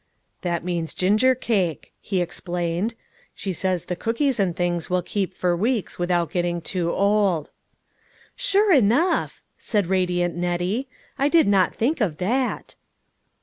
"That means gingercake," he ex plained, " she says the cookies and things will keep for weeks, without getting too old." " Sure enough !" said radiant Nettie, " I did not think of that."